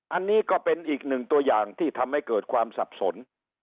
อันนี้ก็เป็นอีกหนึ่งตัวอย่างที่ทำให้เกิดความสับสน